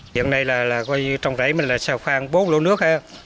giờ này là trong rẫy mình là sầu khoan bốn lỗ nước